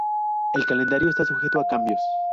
El calendario está sujeto a cambios.